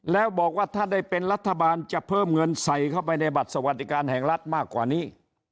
แล้วบอกว่าถ้าได้เป็นรัฐบาลจะเพิ่มเงินใส่เข้าไปในบัตรสวัสดิการแห่งรัฐมากกว่านี้